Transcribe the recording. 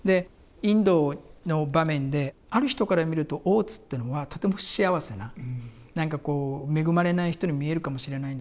インドの場面である人から見ると大津っていうのはとても不幸せな何かこう恵まれない人に見えるかもしれないんですけど